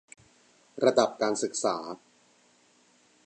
ระดับการศึกษา